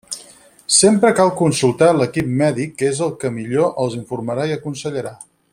Sempre cal consultar a l'equip mèdic que és el que millor els informarà i aconsellarà.